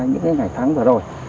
những ngày tháng vừa rồi